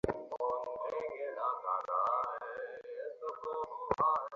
তিনি ঢাকা মেডিক্যাল বিদ্যালয়ের ফাইনাল ইয়ারের ছাত্র।